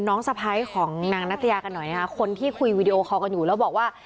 สะพ้ายของนางนัตยากันหน่อยนะคะคนที่คุยวีดีโอคอลกันอยู่แล้วบอกว่า